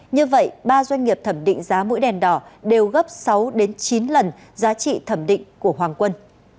như vậy ba doanh nghiệp thẩm định giá mũi đèn đỏ đều gấp sáu chín lần giá trị thẩm định của hoàng quân